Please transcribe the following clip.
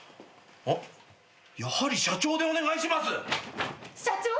「やはり社長でお願いします」社長！？